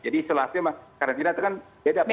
jadi isolasi dan karantina itu kan beda